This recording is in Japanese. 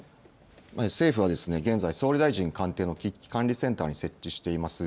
政府は現在、総理大臣官邸の危機管理センターに設置しています